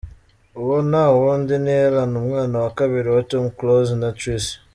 Uwo nta wundi ni Elan umwana wa kabiri wa Tom Close na Tricia.